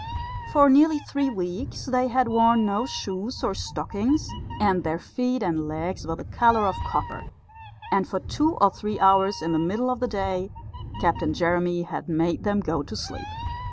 For nearly three weeks they had worn no shoes or stockings, and their feet and legs were the colour of copper; and for two or three hours in the middle of the day Captain Jeremy had made them go to sleep.